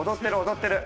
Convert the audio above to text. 踊ってる。